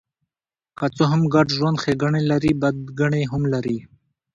که څه هم ګډ ژوند ښېګڼې لري، بدګڼې هم لري.